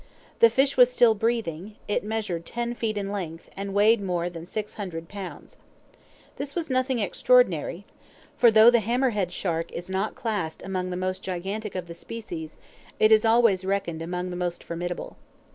The fish was still breathing; it measured ten feet in length, and weighed more than six hundred pounds. This was nothing extraordinary, for though the hammer headed shark is not classed among the most gigantic of the species, it is always reckoned among the most formidable.